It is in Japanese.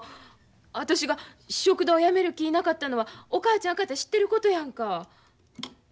私が食堂やめる気なかったのはお母ちゃんかて知ってることやんか。